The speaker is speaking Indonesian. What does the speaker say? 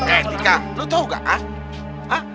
eh tika lo tau gak ah